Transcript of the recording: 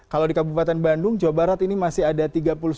kalau di kabupaten bandung jawa barat ini masih ada tiga puluh sembilan